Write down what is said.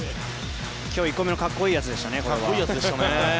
今日１個目のかっこいいやつでしたね。